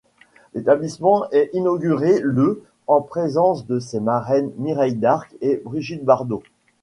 L'établissement est inauguré le en présence de ses marraines Mireille Darc et Brigitte Bardot.